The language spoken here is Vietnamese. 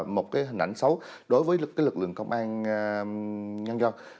một cái hình ảnh xấu đối với lực lượng công an nhân dân